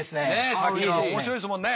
さっきのは面白いですもんね。